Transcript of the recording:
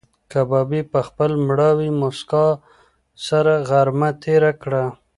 کبابي په خپله مړاوې موسکا سره غرمه تېره کړه.